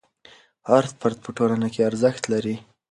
هر فرد په ټولنه کې ارزښت لري.